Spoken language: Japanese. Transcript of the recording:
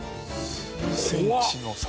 数センチの差。